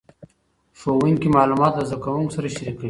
ښوونکي معلومات له زده کوونکو سره شریکوي.